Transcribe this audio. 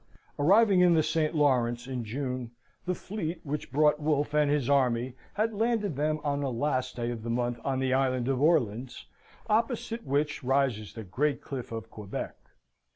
Arriving in the St. Lawrence in June, the fleet which brought Wolfe and his army had landed them on the last day of the month on the Island of Orleans, opposite which rises the great cliff of Quebec.